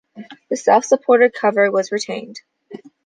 The self-supported cover was retained.